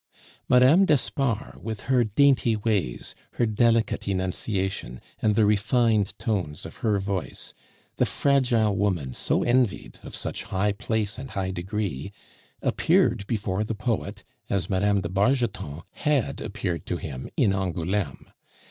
Mme. d'Espard with her dainty ways, her delicate enunciation, and the refined tones of her voice; the fragile woman so envied, of such high place and high degree, appeared before the poet as Mme. de Bargeton had appeared to him in Angouleme.